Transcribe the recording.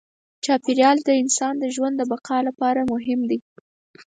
چاپېریال د انسان د ژوند د بقا لپاره مهم دی.